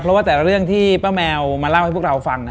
เพราะว่าแต่ละเรื่องที่ป้าแมวมาเล่าให้พวกเราฟัง